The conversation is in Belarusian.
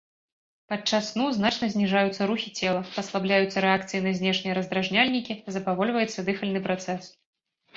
Падчас сну значна зніжаюцца рухі цела, паслабляюцца рэакцыі на знешнія раздражняльнікі, запавольваецца дыхальны працэс.